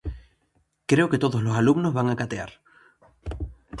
Creo que todos los alumnos van a catear.